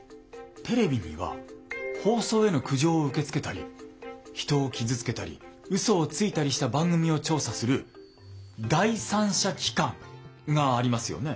テレビには放送への苦情を受け付けたり人を傷つけたりうそをついたりした番組を調査する第三者機関がありますよね？